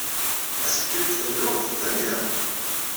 Assikel deg tallunt d amihaw.